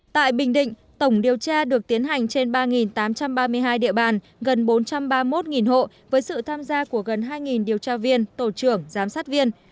tại bình định tổng điều tra được tiến hành trên ba tám trăm ba mươi hai địa bàn gần bốn trăm ba mươi một hộ với sự tham gia của gần hai điều tra viên tổ trưởng giám sát viên